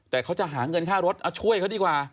แต่เขาจะหาเงินค่ารถเอาช่วยเขาดีกว่า